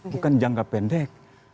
bukan jangka pendek